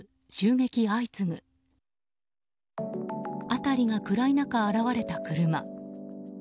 辺りが暗い中、現れた車。